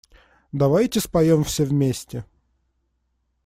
Давайте споем все вместе.